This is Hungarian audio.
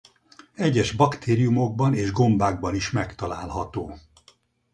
Egyes baktériumokban és gombákban is megtalálható.